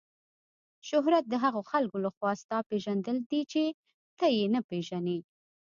شهرت د هغو خلکو له خوا ستا پیژندل دي چې ته یې نه پیژنې.